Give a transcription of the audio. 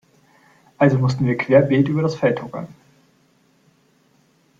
Also mussten wir querbeet über das Feld tuckern.